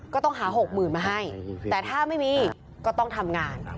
ก็ต้องหา๖๐๐๐มาให้แต่ถ้าไม่มีก็ต้องทำงาน